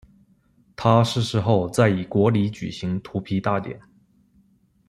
他逝世后在以国礼举行荼毗大典。